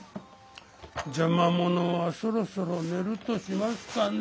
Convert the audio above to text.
邪魔者はそろそろ寝るとしますかね。